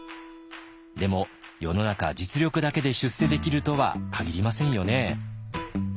でも世の中実力だけで出世できるとは限りませんよね。